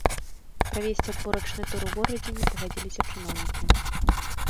Правесці адборачны тур у горадзе не пагадзіліся чыноўнікі.